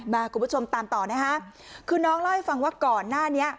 คุณผู้ชมตามต่อนะคะคือน้องเล่าให้ฟังว่าก่อนหน้านี้